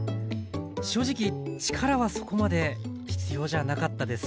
正直力はそこまで必要じゃなかったです。